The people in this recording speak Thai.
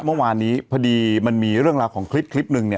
เมื่อวานนี้พอดีมันมีเรื่องราวของคลิปหนึ่ง